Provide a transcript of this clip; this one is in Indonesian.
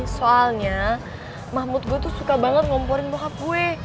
soalnya mahmud gue tuh suka banget ngomporin bokap gue